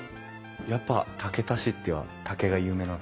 やっぱ竹田市って竹が有名なんですか？